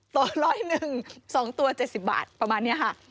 ตัวร้อยหนึ่ง๒ตัว๗๐บาทประมาณนี้ค่ะ